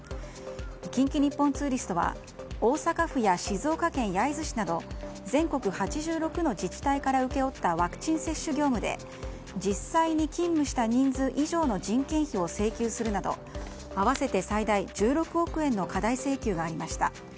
近畿日本ツーリストは大阪府や静岡県焼津市など全国８６の自治体から請け負ったワクチン接種業務で実際に勤務した人数以上の人件費を請求するなど合わせて最大１６億円の過大請求がありました。